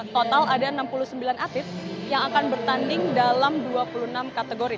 total ada enam puluh sembilan atlet yang akan bertanding dalam dua puluh enam kategori